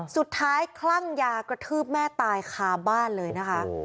คลั่งยากระทืบแม่ตายคาบ้านเลยนะคะ